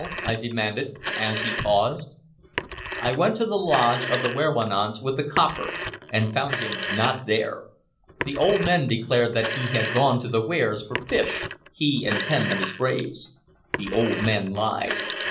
I demanded, as he paused. "I went to the lodge of the werowance with the copper, and found him not there. The old men declared that he had gone to the weirs for fish, he and ten of his braves. The old men lied.